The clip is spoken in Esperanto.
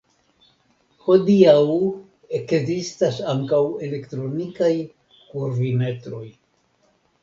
Hodiaŭ ekzistas ankaŭ elektronikaj kurvimetroj.